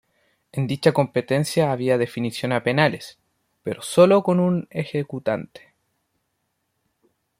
En dicha competencia había definición a penales, pero sólo con un ejecutante.